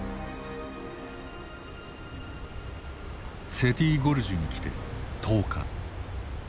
セティ・ゴルジュに来て１０日。